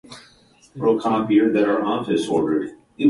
いこーーーーーーぉ